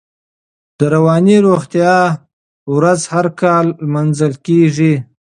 د رواني روغتیا ورځ هر کال نمانځل کېږي.